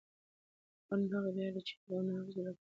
قانون هغه معیار دی چې حق او ناحق جلا کوي